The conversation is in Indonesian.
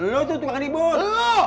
lo tuh suka ngajak ribut